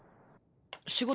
仕事？